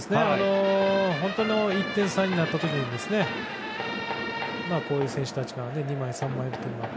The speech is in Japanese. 本当の１点差になった時にこういう選手たちが２枚、３枚いるというのがね。